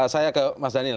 saya ke mas daniel